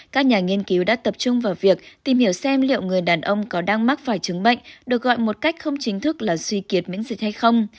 các nhà nghiên cứu đã tập trung vào việc tìm hiểu xem liệu người đàn ông có đang mắc phải chứng bệnh được gọi một cách không chính thức là suy kiệt miễn dịch hay không